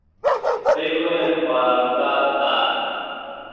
پێی بڵێن خوارزات هات